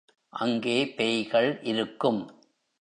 அங்கே பேய்கள் இருக்கும்.